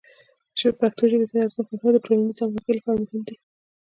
پښتو ژبې ته د ارزښت ورکول د ټولنیزې همغږۍ لپاره مهم دی.